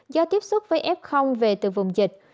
do tiếp xúc với f về từ vùng dịch